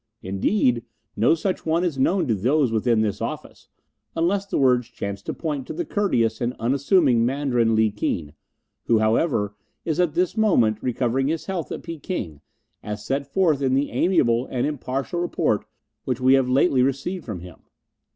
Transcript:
"Indeed, no such one is known to those within this office, unless the words chance to point to the courteous and unassuming Mandarin Li Keen, who, however, is at this moment recovering his health at Peking, as set forth in the amiable and impartial report which we have lately received from him."